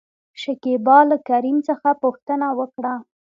شکيبا له کريم څخه پوښتنه وکړه ؟